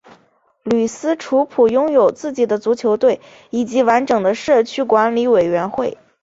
吕斯楚普拥有自己的足球队以及完整的社区管理委员会